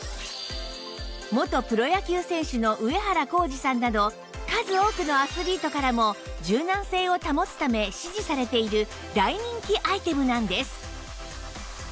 元プロ野球選手の上原浩治さんなど数多くのアスリートからも柔軟性を保つため支持されている大人気アイテムなんです